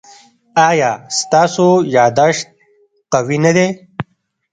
ایا ستاسو یادښت قوي نه دی؟